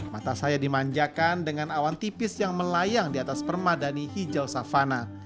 mata saya dimanjakan dengan awan tipis yang melayang di atas permadani hijau savana